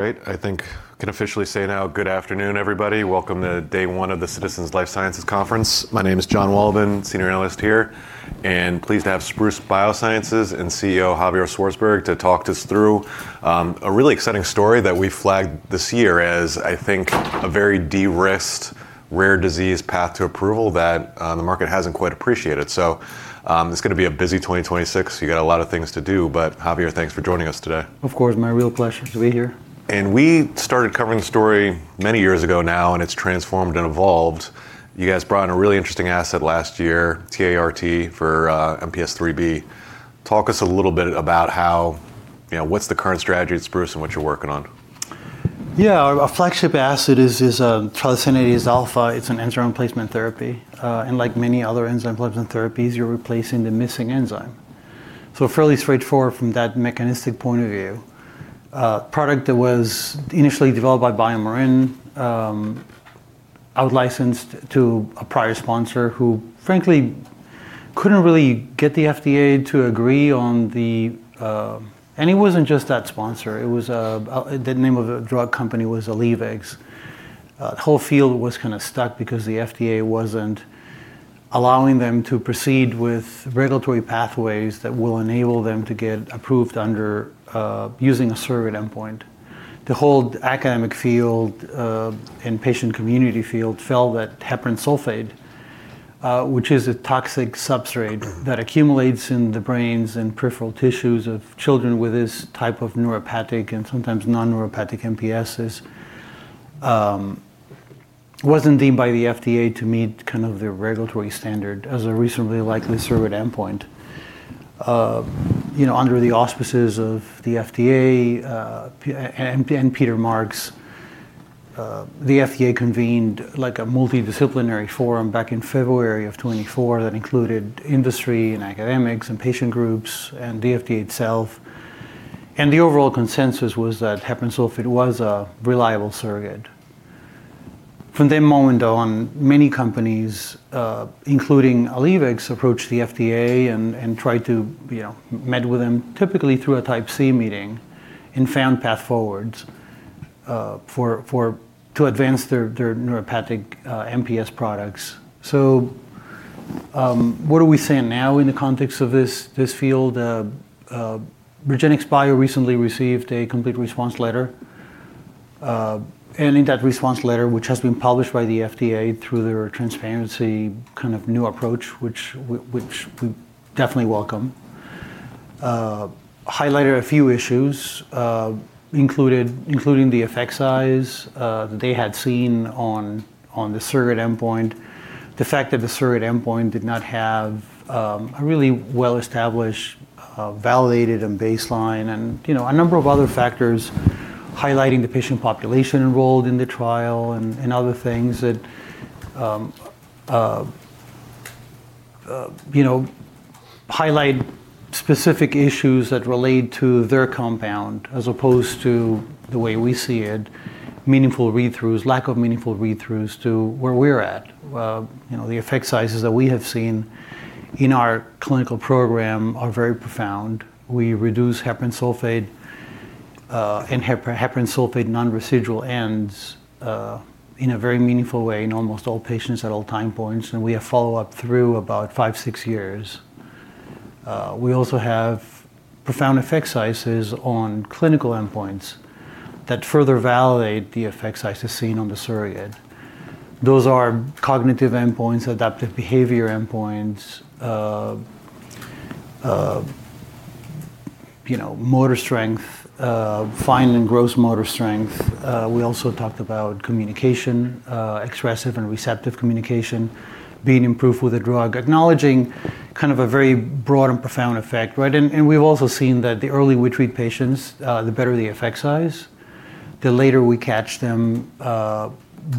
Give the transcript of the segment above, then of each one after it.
Great. I think we can officially say now, good afternoon, everybody. Welcome to day one of the Citizens Life Sciences Conference. My name is John Walvin, Senior Analyst here, and I'm pleased to have Spruce Biosciences and CEO Javier Szwarcberg to talk us through a really exciting story that we flagged this year as, I think, a very de-risked rare disease path to approval that the market hasn't quite appreciated. It's gonna be a busy 2026. You got a lot of things to do, but Javier, thanks for joining us today. Of course. My real pleasure to be here. We started covering the story many years ago now, and it's transformed and evolved. You guys brought in a really interesting asset last year, TA-ERT for MPS IIIB. Talk us a little bit about how, you know, what's the current strategy at Spruce and what you're working on. Yeah. Our flagship asset is Tralesinidase alfa. It's an enzyme replacement therapy. Like many other enzyme replacement therapies, you're replacing the missing enzyme. Fairly straightforward from that mechanistic point of view. A product that was initially developed by BioMarin, out-licensed to a prior sponsor who frankly couldn't really get the FDA to agree on the. It wasn't just that sponsor. It was the name of the drug company was Allievex. The whole field was kinda stuck because the FDA wasn't allowing them to proceed with regulatory pathways that will enable them to get approved under using a surrogate endpoint. The whole academic field and patient community field felt that heparan sulfate, which is a toxic substrate that accumulates in the brains and peripheral tissues of children with this type of neuropathic and sometimes non-neuropathic MPSs, wasn't deemed by the FDA to meet kind of the regulatory standard as a reasonably likely surrogate endpoint. You know, under the auspices of the FDA and Peter Marks, the FDA convened like a multidisciplinary forum back in February of 2024 that included industry and academics and patient groups and the FDA itself. The overall consensus was that heparan sulfate was a reliable surrogate. From that moment on, many companies, including Allievex, approached the FDA and tried to, you know, met with them typically through a Type C meeting and found path forwards to advance their neuropathic MPS products. What are we seeing now in the context of this field? REGENXBIO recently received a complete response letter. In that response letter, which has been published by the FDA through their transparency kind of new approach, which we definitely welcome, highlighted a few issues, including the effect size they had seen on the surrogate endpoint. The fact that the surrogate endpoint did not have a really well-established validated and baseline and, you know, a number of other factors highlighting the patient population enrolled in the trial and other things that, you know, highlight specific issues that relate to their compound as opposed to the way we see it, meaningful read-throughs, lack of meaningful read-throughs to where we're at. You know, the effect sizes that we have seen in our clinical program are very profound. We reduce heparan sulfate and heparan sulfate non-reducing ends in a very meaningful way in almost all patients at all time points, and we have follow-up through about 5, 6 years. We also have profound effect sizes on clinical endpoints that further validate the effect sizes seen on the surrogate. Those are cognitive endpoints, adaptive behavior endpoints, you know, motor strength, fine and gross motor strength. We also talked about communication, expressive and receptive communication being improved with the drug, acknowledging kind of a very broad and profound effect, right? We've also seen that the early we treat patients, the better the effect size. The later we catch them,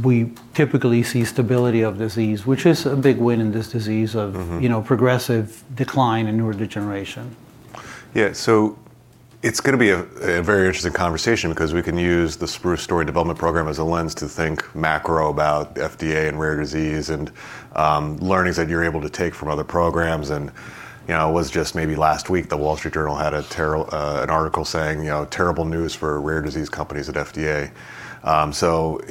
we typically see stability of disease, which is a big win in this disease. Mm-hmm. You know, progressive decline in neurodegeneration. Yeah. It's gonna be a very interesting conversation because we can use the Spruce story development program as a lens to think macro about FDA and rare disease and learnings that you're able to take from other programs. You know, it was just maybe last week, The Wall Street Journal had an article saying, you know, terrible news for rare disease companies at FDA.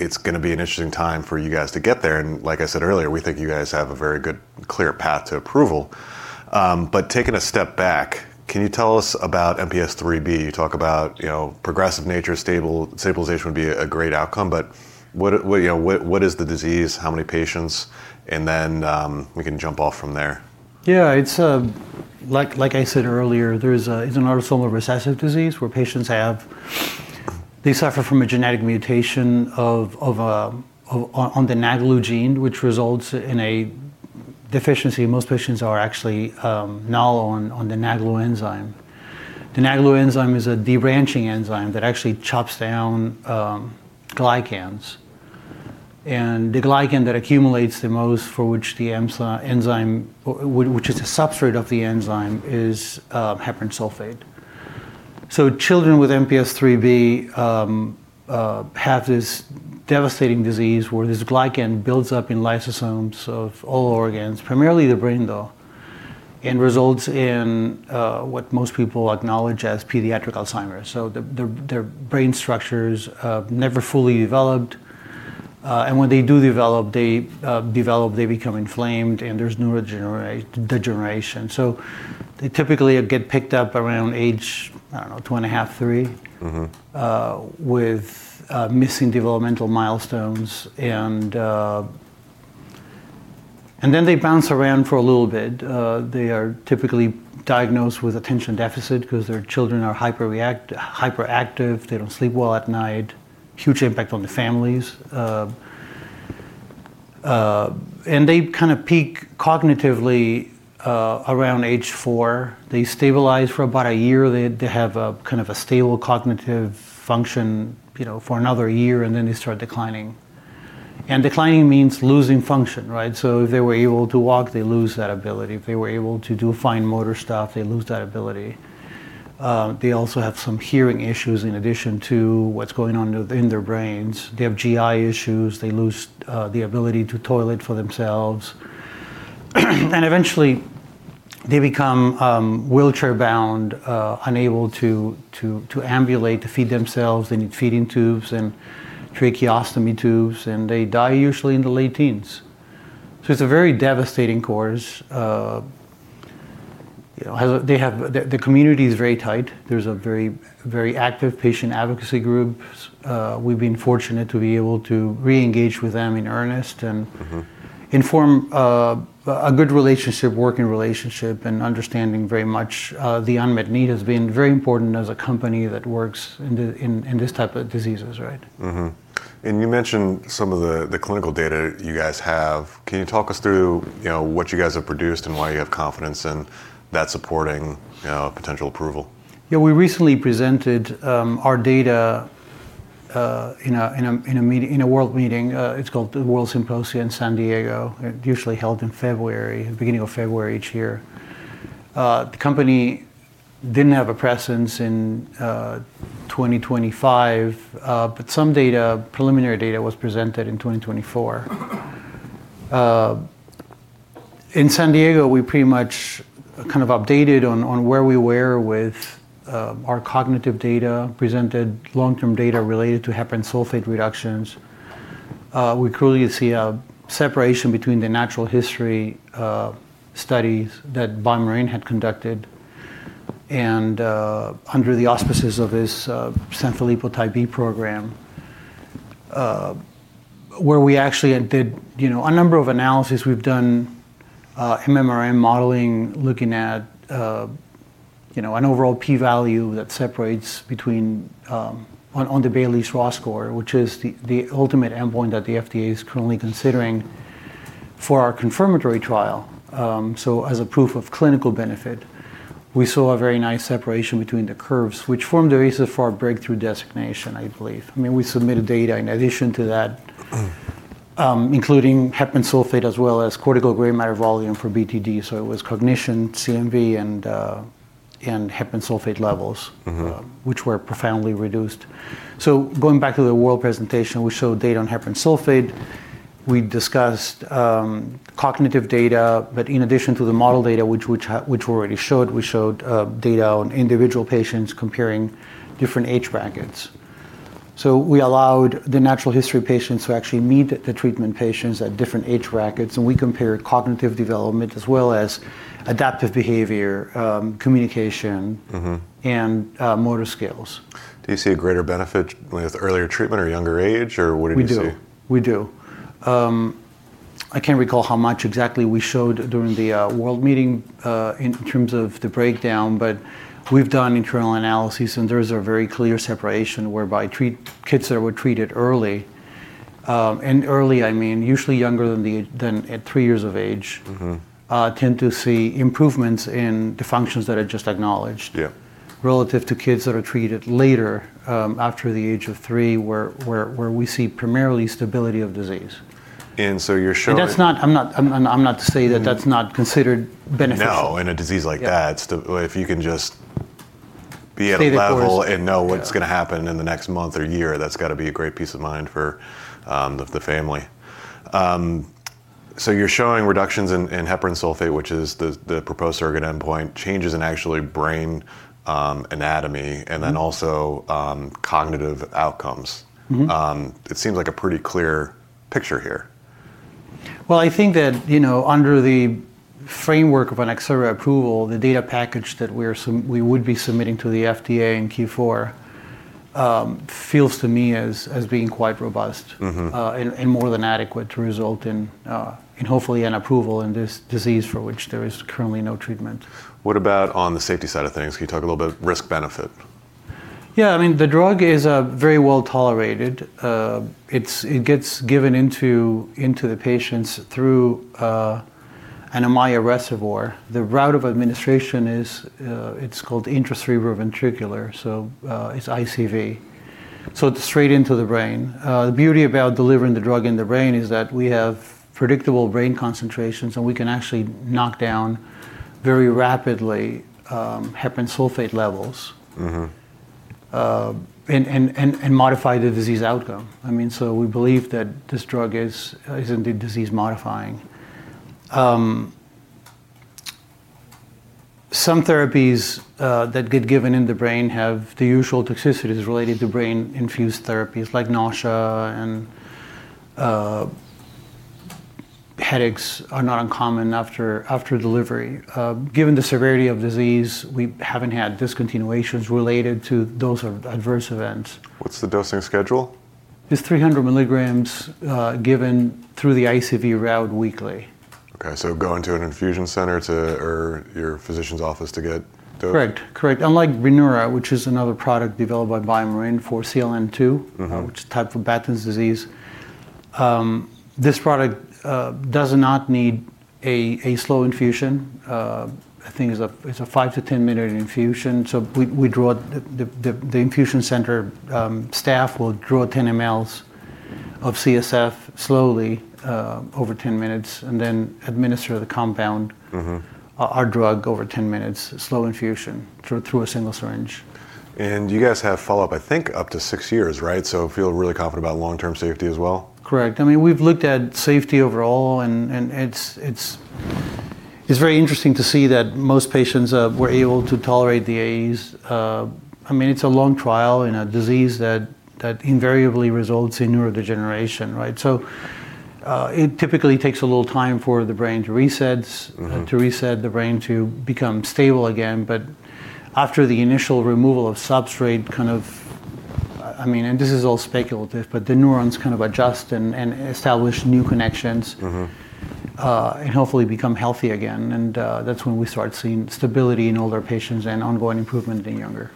It's gonna be an interesting time for you guys to get there. Like I said earlier, we think you guys have a very good, clear path to approval. Taking a step back, can you tell us about MPS IIIB? You talk about, you know, progressive nature, stabilization would be a great outcome, but what, you know, what is the disease? How many patients? We can jump off from there. Yeah. It's like I said earlier. It's an autosomal recessive disease where they suffer from a genetic mutation of on the NAGLU gene, which results in a deficiency. Most patients are actually null on the NAGLU enzyme. The NAGLU enzyme is a debranching enzyme that actually chops down glycans. The glycan that accumulates the most for which the enzyme which is a substrate of the enzyme is heparan sulfate. Children with MPS III B have this devastating disease where this glycan builds up in lysosomes of all organs, primarily the brain, though. Results in what most people acknowledge as pediatric Alzheimer's. Their brain structure's never fully developed. When they do develop, they develop they become inflamed and there's neurodegeneration. They typically get picked up around age, I don't know, 2.5-3. Mm-hmm. With missing developmental milestones. They bounce around for a little bit. They are typically diagnosed with attention deficit because their children are hyperactive. They don't sleep well at night. Huge impact on the families. They kind of peak cognitively around age 4. They stabilize for about a year. They have a kind of a stable cognitive function, you know, for another year, and then they start declining. Declining means losing function, right? If they were able to walk, they lose that ability. If they were able to do fine motor stuff, they lose that ability. They also have some hearing issues in addition to what's going on in their brains. They have GI issues. They lose the ability to toilet for themselves. Eventually they become wheelchair-bound, unable to ambulate, to feed themselves. They need feeding tubes and tracheostomy tubes, and they die usually in the late teens. It's a very devastating course. The community is very tight. There's a very active patient advocacy group. We've been fortunate to be able to re-engage with them in earnest and Mm-hmm Form a good relationship, working relationship and understanding very much the unmet need has been very important as a company that works in this type of diseases, right? You mentioned some of the clinical data you guys have. Can you talk us through, you know, what you guys have produced and why you have confidence in that supporting, you know, potential approval? Yeah. We recently presented our data in a WORLDSymposium in San Diego, usually held in February, beginning of February each year. The company didn't have a presence in 2025, but some preliminary data was presented in 2024. In San Diego, we pretty much kind of updated on where we were with our cognitive data, presented long-term data related to heparan sulfate reductions. We clearly see a separation between the natural history studies that BioMarin had conducted and under the auspices of this Sanfilippo type B program, where we actually did, you know, a number of analyses. We've done MMRM modeling, looking at you know, an overall P value that separates between on the Bayley Scale score, which is the ultimate endpoint that the FDA is currently considering for our confirmatory trial. As a proof of clinical benefit, we saw a very nice separation between the curves which formed the basis for our breakthrough designation, I believe. I mean, we submitted data in addition to that. Mm Including heparan sulfate as well as cortical gray matter volume for BTD. It was cognition, CGMV, and heparan sulfate levels. Mm-hmm... which were profoundly reduced. Going back to the WORLDSymposium, we showed data on heparan sulfate. We discussed cognitive data. But in addition to the model data which we already showed, we showed data on individual patients comparing different age brackets. We allowed the natural history patients to actually meet the treatment patients at different age brackets, and we compared cognitive development as well as adaptive behavior, communication- Mm-hmm Motor skills. Do you see a greater benefit with earlier treatment or younger age, or what did you see? We do. I can't recall how much exactly we showed during the WORLDSymposium in terms of the breakdown, but we've done internal analyses, and there is a very clear separation whereby kids that were treated early, and early I mean usually younger than at 3 years of age. Mm-hmm Tend to see improvements in the functions that I just acknowledged. Yeah Relative to kids that are treated later, after the age of 3, where we see primarily stability of disease. You're showing. I'm not to say that that's not considered beneficial. No. In a disease like that, if you can just be at a level. Stay the course. know what's gonna happen in the next month or year, that's got to be a great peace of mind for the family. You're showing reductions in heparan sulfate, which is the proposed surrogate endpoint, changes in actually brain anatomy, and then also cognitive outcomes. Mm-hmm. It seems like a pretty clear picture here. Well, I think that, you know, under the framework of an accelerated approval, the data package that we would be submitting to the FDA in Q4 feels to me as being quite robust. Mm-hmm More than adequate to result in hopefully an approval in this disease for which there is currently no treatment. What about on the safety side of things? Can you talk a little bit risk-benefit? Yeah. I mean, the drug is very well tolerated. It gets given into the patients through an Ommaya reservoir. The route of administration is called intracerebroventricular, so it's ICV, so straight into the brain. The beauty about delivering the drug in the brain is that we have predictable brain concentrations, and we can actually knock down very rapidly heparan sulfate levels. Mm-hmm. Modify the disease outcome. I mean, we believe that this drug is indeed disease modifying. Some therapies that get given in the brain have the usual toxicities related to brain infused therapies like nausea and headaches, are not uncommon after delivery. Given the severity of disease, we haven't had discontinuations related to those adverse events. What's the dosing schedule? It's 300 milligrams, given through the ICV route weekly. Okay. Go into an infusion center or your physician's office to get those. Correct. Unlike Brineura, which is another product developed by BioMarin for CLN2. Mm-hmm Which is type of Batten disease, this product does not need a slow infusion. I think it's a 5- to 10-minute infusion. The infusion center staff will draw 10 mL of CSF slowly over 10 minutes and then administer the compound. Mm-hmm Our drug over 10 minutes, slow infusion through a single syringe. You guys have follow-up, I think, up to 6 years, right? Feel really confident about long-term safety as well. Correct. I mean, we've looked at safety overall, and it's very interesting to see that most patients were able to tolerate the AEs. I mean, it's a long trial in a disease that invariably results in neurodegeneration, right? It typically takes a little time for the brain to reset. Mm-hmm To reset the brain to become stable again. After the initial removal of substrate, kind of, I mean, and this is all speculative, but the neurons kind of adjust and establish new connections. Mm-hmm Hopefully become healthy again. That's when we start seeing stability in older patients and ongoing improvement in younger.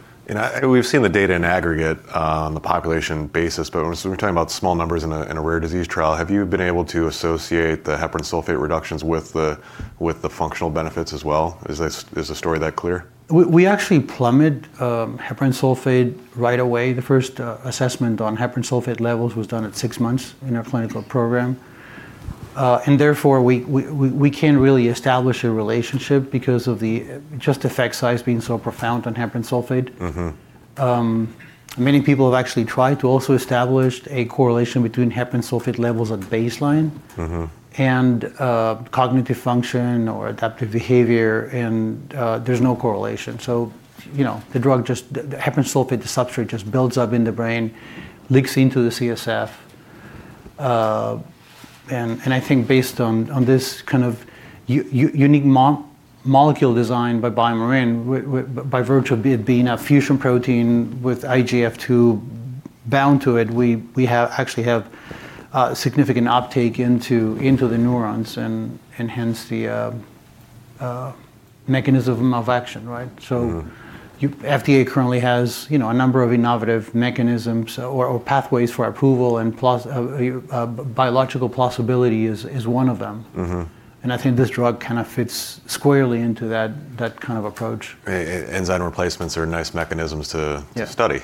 We've seen the data in aggregate on the population basis, but when we're talking about small numbers in a rare disease trial, have you been able to associate the heparan sulfate reductions with the functional benefits as well? Is the story that clear? We actually plummet heparan sulfate right away. The first assessment on heparan sulfate levels was done at 6 months in our clinical program. Therefore, we can't really establish a relationship because of the huge effect size being so profound on heparan sulfate. Mm-hmm. Many people have actually tried to also establish a correlation between heparan sulfate levels at baseline. Mm-hmm Cognitive function or adaptive behavior, and there's no correlation. You know, the drug just the heparan sulfate, the substrate just builds up in the brain, leaks into the CSF. I think based on this kind of unique molecule design by BioMarin by virtue of it being a fusion protein with IGF-II bound to it, we actually have significant uptake into the neurons and enhance the mechanism of action, right? Mm-hmm. FDA currently has, you know, a number of innovative mechanisms or biological possibility is one of them. Mm-hmm. I think this drug kind of fits squarely into that kind of approach. Enzyme replacements are nice mechanisms. Yeah ...study.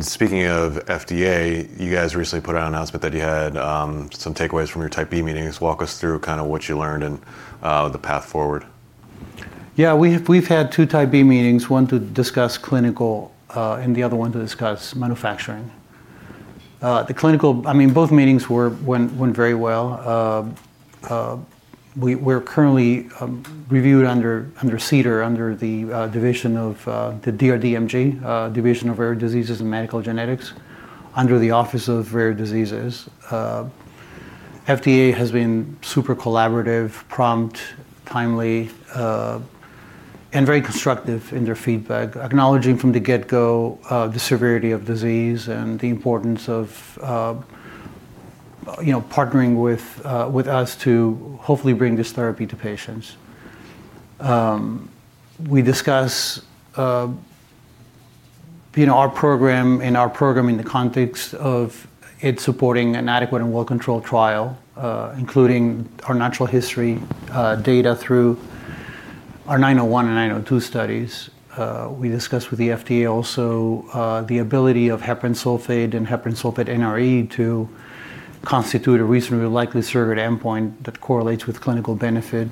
Speaking of FDA, you guys recently put out an announcement that you had some takeaways from your Type B meetings. Walk us through kind of what you learned and the path forward. Yeah. We've had 2 Type B meetings, one to discuss clinical, and the other one to discuss manufacturing. I mean, both meetings went very well. We're currently reviewed under CDER, under the division of the DRDMG, Division of Rare Diseases and Medical Genetics under the Office of Rare Diseases. FDA has been super collaborative, prompt, timely, and very constructive in their feedback, acknowledging from the get-go the severity of disease and the importance of, you know, partnering with us to hopefully bring this therapy to patients. We discuss, you know, our program in the context of it supporting an adequate and well-controlled trial, including our natural history data through our 901 and 902 studies. We discussed with the FDA also the ability of heparan sulfate and heparan sulfate NRE to constitute a reasonably likely surrogate endpoint that correlates with clinical benefit.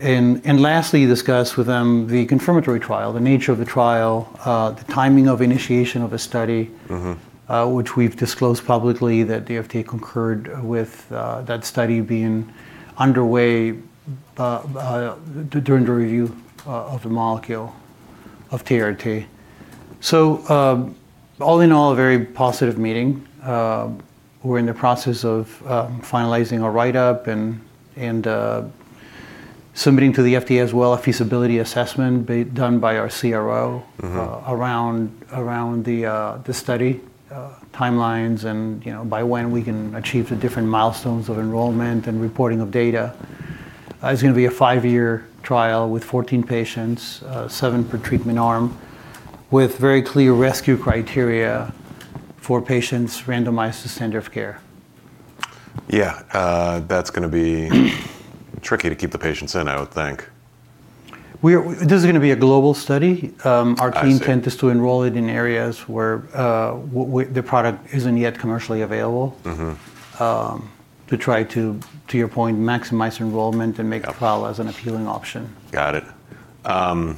Lastly, discussed with them the confirmatory trial, the nature of the trial, the timing of initiation of a study. Mm-hmm Which we've disclosed publicly that the FDA concurred with, that study being underway, during the review of the molecule of TA-ERT. All in all, a very positive meeting. We're in the process of finalizing a write-up and submitting to the FDA as well a feasibility assessment done by our CRO. Mm-hmm Around the study timelines and, you know, by when we can achieve the different milestones of enrollment and reporting of data. It's gonna be a 5-year trial with 14 patients, 7 per treatment arm, with very clear rescue criteria for patients randomized to standard of care. Yeah. That's gonna be tricky to keep the patients in, I would think. This is gonna be a global study. I see. Intent is to enroll it in areas where the product isn't yet commercially available. Mm-hmm. To try to your point, maximize enrollment and make a trial as an appealing option. Got it.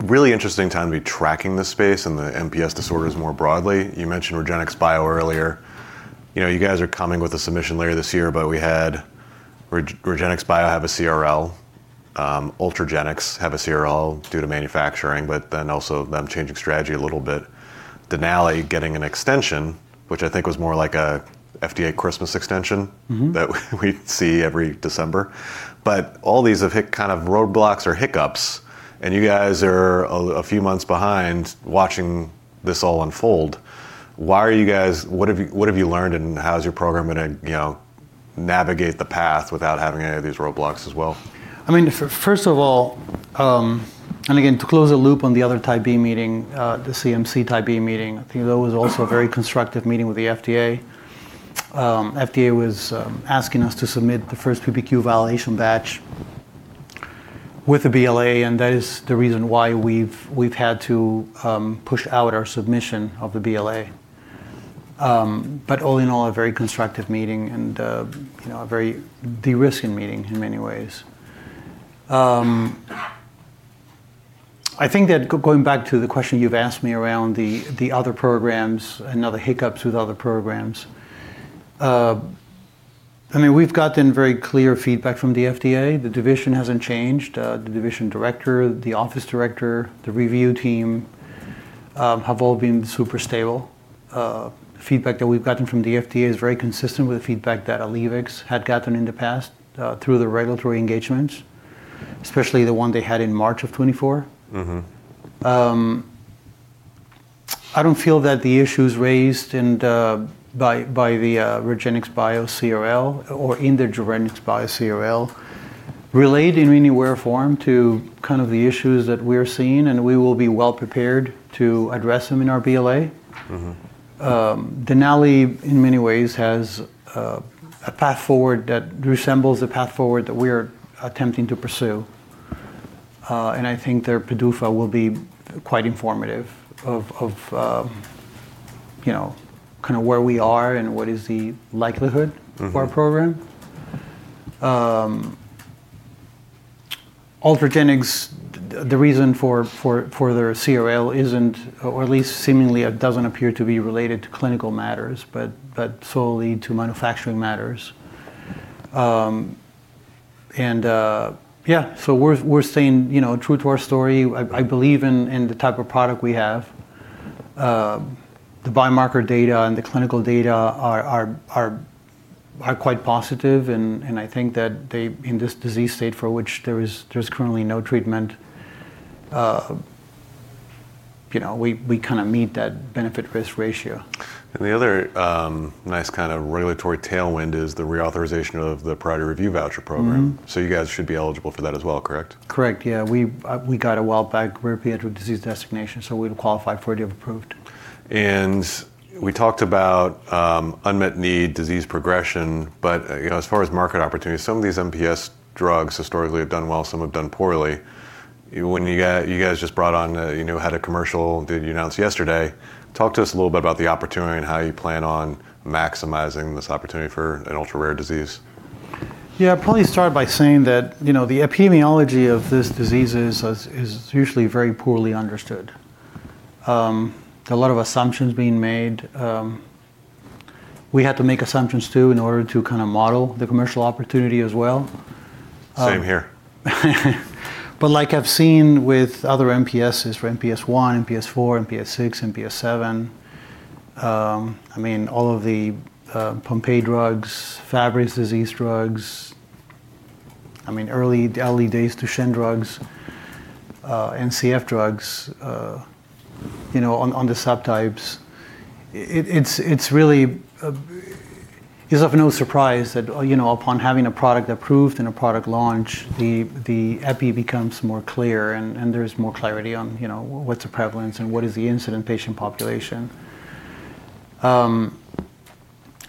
Really interesting time to be tracking this space and the MPS disorders more broadly. You mentioned REGENXBIO earlier. You know, you guys are coming with a submission later this year, but we had REGENXBIO have a CRL. Ultragenyx have a CRL due to manufacturing, but then also them changing strategy a little bit. Denali getting an extension, which I think was more like an FDA Christmas extension. Mm-hmm. That we see every December. All these have hit kind of roadblocks or hiccups, and you guys are a few months behind watching this all unfold. Why are you guys? What have you learned, and how is your program gonna, you know, navigate the path without having any of these roadblocks as well? I mean, first of all, and again, to close the loop on the other Type B meeting, the CMC Type B meeting, I think that was also a very constructive meeting with the FDA. FDA was asking us to submit the first PPQ validation batch with the BLA, and that is the reason why we've had to push out our submission of the BLA. All in all, a very constructive meeting and, you know, a very de-risking meeting in many ways. I think that going back to the question you've asked me around the other programs and other hiccups with other programs, I mean, we've gotten very clear feedback from the FDA. The division hasn't changed. The division director, the office director, the review team, have all been super stable. Feedback that we've gotten from the FDA is very consistent with the feedback that Allievex had gotten in the past, through the regulatory engagements, especially the one they had in March of 2024. Mm-hmm. I don't feel that the issues raised by the REGENXBIO CRL relate in any way or form to kind of the issues that we're seeing, and we will be well prepared to address them in our BLA. Mm-hmm. Denali, in many ways, has a path forward that resembles the path forward that we're attempting to pursue. I think their PDUFA will be quite informative of you know, kind of where we are and what is the likelihood- Mm-hmm. for our program. Ultragenyx, the reason for their CRL isn't, or at least seemingly doesn't appear to be related to clinical matters, but solely to manufacturing matters. We're staying, you know, true to our story. I believe in the type of product we have. The biomarker data and the clinical data are quite positive and I think that they, in this disease state for which there's currently no treatment, you know, we kind of meet that benefit/risk ratio. The other, nice kind of regulatory tailwind is the reauthorization of the Priority Review Voucher Program. Mm-hmm. You guys should be eligible for that as well, correct? Correct, yeah. We got it a while back where we had disease designation, so we'd qualify for it if approved. We talked about unmet need, disease progression, but you know, as far as market opportunities, some of these MPS drugs historically have done well, some have done poorly. When you guys just brought on a new head of commercial that you announced yesterday. Talk to us a little bit about the opportunity and how you plan on maximizing this opportunity for an ultra-rare disease. Yeah, probably start by saying that, you know, the epidemiology of this disease is usually very poorly understood. A lot of assumptions being made. We had to make assumptions, too, in order to kind of model the commercial opportunity as well. Same here. Like I've seen with other MPSs, for MPS-I, MPS-IV, MPS-VI, MPS-VII, I mean, all of the Pompe disease drugs, Fabry disease drugs, I mean, early days Gaucher drugs, you know, on the subtypes. It's really of no surprise that, you know, upon having a product approved and a product launched, the epi becomes more clear and there's more clarity on, you know, what's the prevalence and what is the incidence patient population.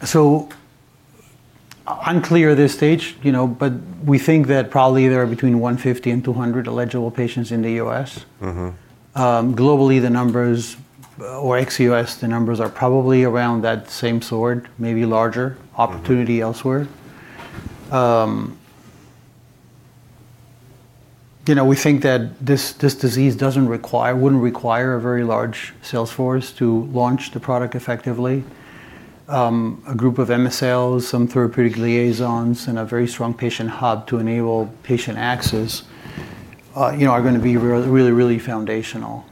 So, unclear at this stage, you know, but we think that probably there are between 150 and 200 eligible patients in the U.S. Mm-hmm. Globally, the numbers, or ex-U.S., the numbers are probably around that same sort, maybe larger. Mm-hmm. opportunity elsewhere. You know, we think that this disease wouldn't require a very large sales force to launch the product effectively. A group of MSLs, some therapeutic liaisons, and a very strong patient hub to enable patient access, you know, are gonna be really foundational.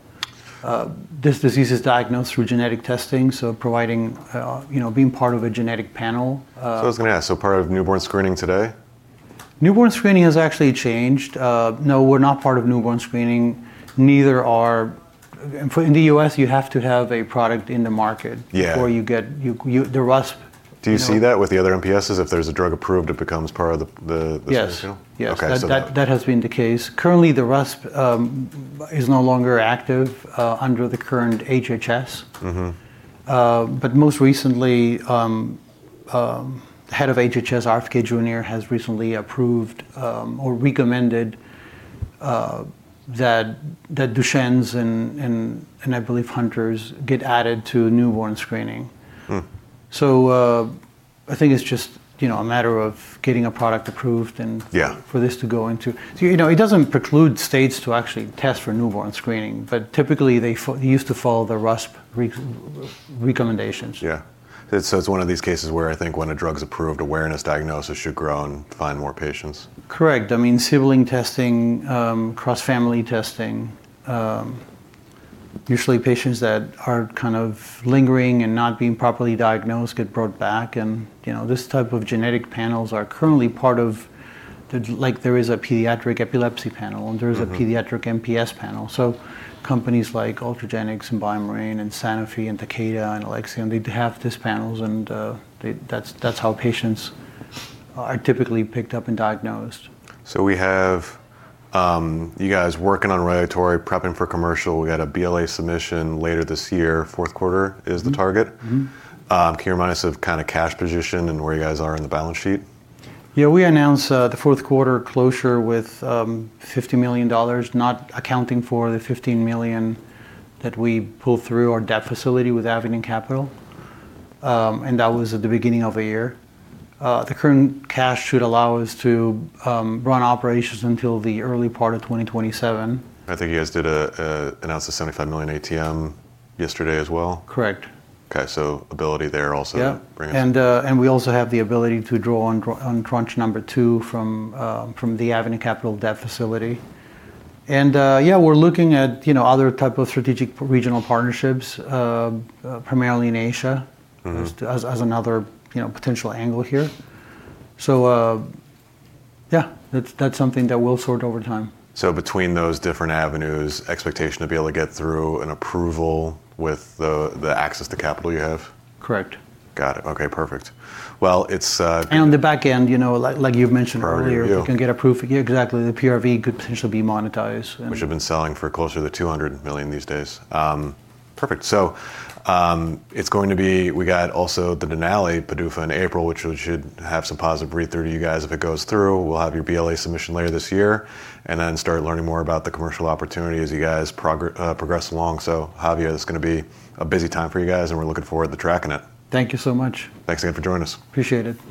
This disease is diagnosed through genetic testing, so providing, you know, being part of a genetic panel. I was gonna ask, so part of newborn screening today? Newborn screening has actually changed. No, we're not part of newborn screening. Neither are. In the U.S., you have to have a product in the market. Yeah. The RUSP, you know. Do you see that with the other MPSs, if there's a drug approved, it becomes part of the screening panel? Yes. Yes. Okay. That has been the case. Currently, the RUSP is no longer active under the current HHS. Mm-hmm. Most recently, head of HHS, Robert F. Kennedy Jr., has recently approved or recommended that Duchenne's and I believe Hunter's get added to newborn screening. Hmm. I think it's just, you know, a matter of getting a product approved and. Yeah You know, it doesn't preclude states to actually test for newborn screening, but typically they used to follow the RUSP recommendations. It's one of these cases where I think when a drug's approved, awareness, diagnosis should grow and find more patients. Correct. I mean, sibling testing, cross-family testing, usually patients that are kind of lingering and not being properly diagnosed get brought back and, you know, this type of genetic panels are currently part of the, like, there is a pediatric epilepsy panel. Mm-hmm There is a pediatric MPS panel. Companies like Ultragenyx and BioMarin and Sanofi and Takeda and Alexion, they have these panels and that's how patients are typically picked up and diagnosed. We have you guys working on regulatory, prepping for commercial. We got a BLA submission later this year, Q4 is the target. Mm-hmm. Mm-hmm. Can you remind us of kind of cash position and where you guys are in the balance sheet? We announced the Q4 closure with $50 million, not accounting for the $15 million that we pulled through our debt facility with Avenue Capital Group. That was at the beginning of the year. The current cash should allow us to run operations until the early part of 2027. I think you guys announced a $75 million ATM yesterday as well? Correct. Okay, ability there also. Yeah... bring us- We also have the ability to draw on tranche number 2 from the Avenue Capital Group debt facility. We're looking at, you know, other type of strategic regional partnerships primarily in Asia. Mm-hmm Just as another, you know, potential angle here. Yeah, that's something that we'll sort over time. Between those different avenues, expectation to be able to get through an approval with the access to capital you have? Correct. Got it. Okay, perfect. Well, it's On the back end, you know, like you've mentioned earlier. Prior review. You can get approved. Yeah, exactly. The PRV could potentially be monetized and Which have been selling for closer to $200 million these days. Perfect. It's going to be. We got also the Denali PDUFA in April, which we should have some positive read-through to you guys if it goes through. We'll have your BLA submission later this year and then start learning more about the commercial opportunity as you guys progress along. Javier, it's gonna be a busy time for you guys, and we're looking forward to tracking it. Thank you so much. Thanks again for joining us. Appreciate it.